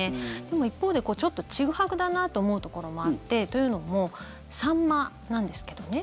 一方で、ちぐはぐだなと思うところもあってというのもサンマなんですけどね。